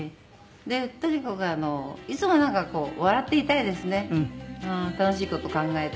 でとにかくいつもなんかこう笑っていたいですね楽しい事考えて。